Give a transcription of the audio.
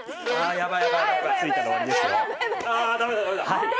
やばい。